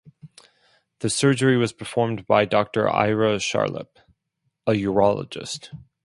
The surgery was performed by Doctor Ira Sharlip, a urologist.